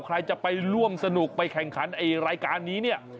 ใครจะไปร่วมสนุกไปแข่งขันไอ้รายการนี้เนี่ย